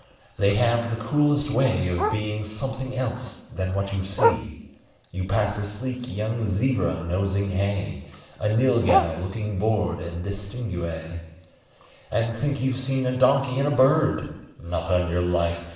They have the coolest way Of being something else than what you see: You pass a sleek young zebra nosing hay, A nylghau looking bored and distingué, And think you've seen a donkey and a bird. Not on your life!